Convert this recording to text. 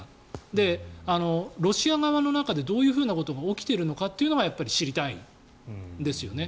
で、ロシア側の中でどういうふうなことが起きているのかというのがやっぱり知りたいんですよね。